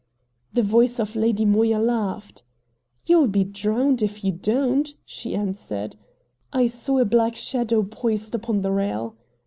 The voice of Lady Moya laughed. "You'll be drowned if you don't!" she answered. I saw a black shadow poised upon the rail.